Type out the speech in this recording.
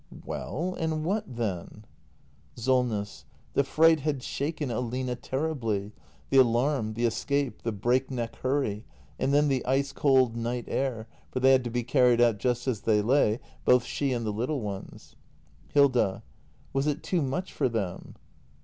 Well, and what then ? SOLNESS. The fright had shaken Aline terribly. The alarm — the escape — the break neck hurry — and then the ice cold night air — for they had to be carried out just as they lay — both she and the little ones. Hilda. Was it too much for them?